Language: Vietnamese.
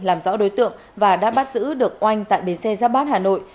làm rõ đối tượng và đã bắt giữ được oanh tại bến xe giáp bát hà nội